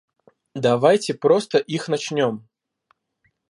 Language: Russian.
Давайте просто их начнем.